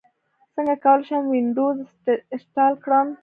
څنګه کولی شم وینډوز انسټال کړم